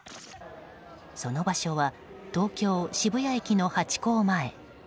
その場所は東京・渋谷駅のハチ公前。